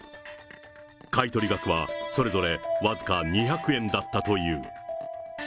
買い取り額はそれぞれ僅か２００円だったという。